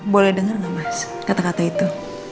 boleh denger gak mas kata kata itu